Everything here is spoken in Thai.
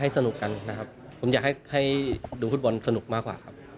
สนุกกันนะครับผมอยากให้ดูฟุตบอลสนุกมากกว่าครับ